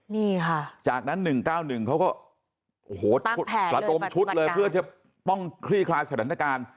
นี่ค่ะจากนั้น๑๙๑เขาก็โอ้โหระดมชุดเลยเพื่อจะต้องคลี่คลายสถานการณ์